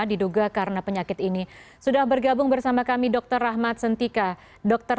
diduga karena penyakit ini sudah bergabung bersama kami dokter rahmat sentika dokter